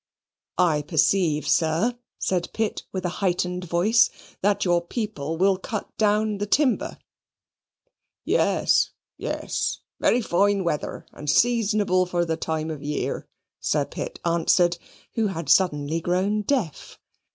"I perceive, sir," said Pitt with a heightened voice, "that your people will cut down the timber." "Yees, yees, very fine weather, and seasonable for the time of year," Sir Pitt answered, who had suddenly grown deaf.